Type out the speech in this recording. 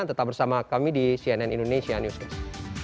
tetap bersama kami di cnn indonesia newscast